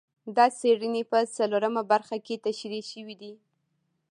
دا څېړنې په څلورمه برخه کې تشرېح شوي دي.